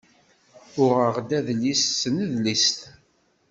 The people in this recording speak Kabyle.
Uɣeɣ-d adlis si tnedlist.